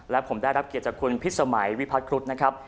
และผมได้รับเกียรติจากคุณพิษสมัยวิพัฒนครุฑนะครับ